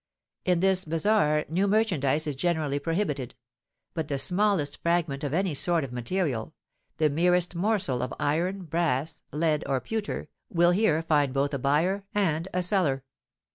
In this bazar new merchandise is generally prohibited; but the smallest fragment of any sort of material, the merest morsel of iron, brass, lead, or pewter, will here find both a buyer and a seller.